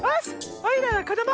おいらはこども！